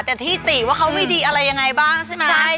แต่ที่ติว่าเขาไม่ดีอะไรยังไงบ้างใช่ไหม